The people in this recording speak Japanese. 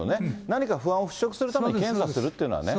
何か不安を払しょくするために検査するっていうのはね。